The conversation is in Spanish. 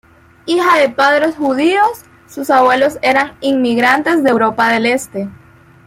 Hija de padres judíos; sus abuelos eran inmigrantes de Europa del Este.